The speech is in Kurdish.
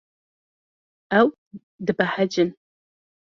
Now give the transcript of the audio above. Ew dibehecin.